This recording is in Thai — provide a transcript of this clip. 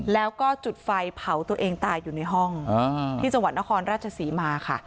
แล้วก็จุดไฟเผาตัวเองตายอยู่ในห้องที่จังหวัดนครราชศรีมาค่ะ